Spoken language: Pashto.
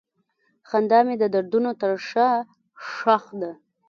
خندا مې د دردونو تر شا ښخ ده.